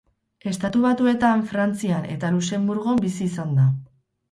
Estatu Batuetan, Frantzian eta Luxenburgon bizi izan da.